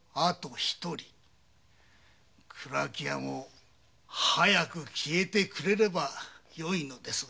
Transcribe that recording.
蔵木屋も早く消えてくれればよいのですが。